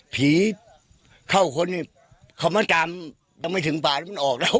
ผีเข้าคนนี้เข้ามาตามแค่ได้ไม่ถึงปนมันออกแล้ว